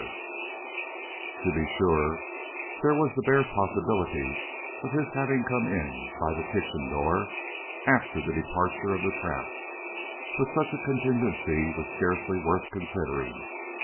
[Illustration: Diagram] To be sure, there was the bare possibility of his having come in by the kitchen door, after the departure of the tramp, but such a contingency was scarcely worth considering.